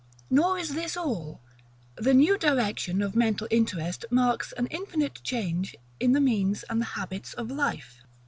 Nor is this all: the new direction of mental interest marks an infinite change in the means and the habits of life.